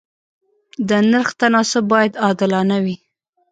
د نرخ تناسب باید عادلانه وي.